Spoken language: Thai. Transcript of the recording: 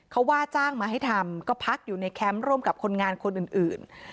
เขาว่าจ้างมาให้ทำก็พักอยู่ในแคมป์ร่วมกับคนงานคนอื่น